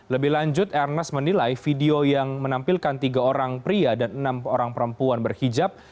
lebih lanjut ernest menilai video yang menampilkan tiga orang pria dan enam orang perempuan berhijab